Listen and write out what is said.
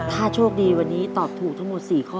ถ้าโชคดีวันนี้ตอบถูกทั้งหมด๔ข้อ